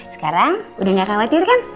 sekarang udah gak khawatir kan